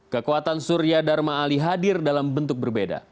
kekuatan surya dharma ali hadir dalam bentuk berbeda